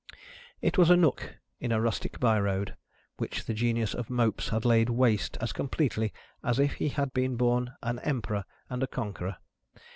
It was a nook in a rustic by road, which the genius of Mopes had laid waste as completely, as if he had been born an Emperor and a Conqueror.